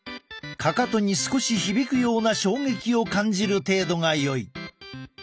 かかとに少し響くような衝撃を感じる程度がよい。